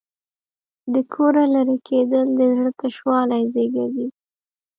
د کوره لرې کېدل د زړه تشوالی زېږوي.